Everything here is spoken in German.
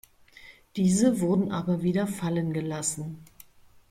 Diese wurden aber wieder fallen gelassen.